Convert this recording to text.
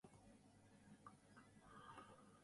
He also served as the auditor of the Sacred Roman Rota.